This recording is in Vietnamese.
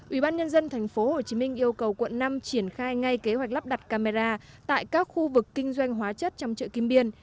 ubnd tp hcm yêu cầu quận năm triển khai ngay kế hoạch lắp đặt camera tại các khu vực kinh doanh hóa chất trong chợ kim biên